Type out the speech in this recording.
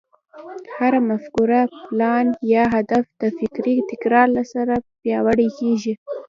هره مفکوره، پلان، يا هدف د فکري تکرار سره پياوړی کېږي.